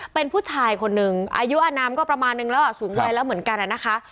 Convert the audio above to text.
เป็นผู้ชายคนหนึ่งอายุอนามก็ประมาณนึงแล้วสูงวัยแล้วเหมือนกันนะคะ